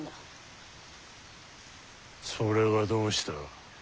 それがどうした。